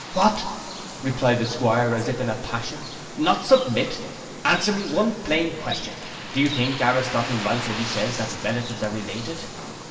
'—'What,' replied the 'Squire, as if in a passion, 'not submit! Answer me one plain question: Do you think Aristotle right when he says, that relatives are related?